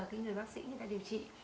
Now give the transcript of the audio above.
cái người bác sĩ người ta điều trị